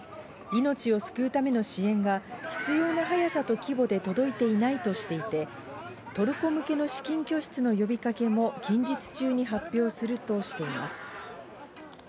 命を救うための支援が必要な早さと規模で届いていないとしていて、トルコ向けの資金拠出の呼びかけも近日中に発表するとしています。